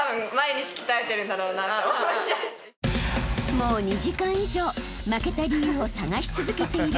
［もう２時間以上負けた理由を探し続けている］